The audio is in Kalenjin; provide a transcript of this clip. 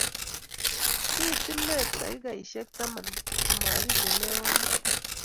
Kiit inne takikaishek taman komagichelewanye